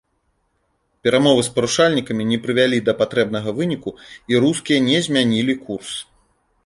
Перамовы з парушальнікамі не прывялі да патрэбнага выніку, і рускія не змянілі курс.